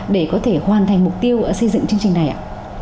để có thể hoàn thành mục tiêu xây dựng chương trình này ạ